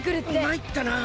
まいったな。